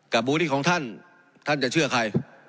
กับบุคลิกของท่านท่านจะเชื่อใคร